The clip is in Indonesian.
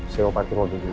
saya mau pergi mobil dulu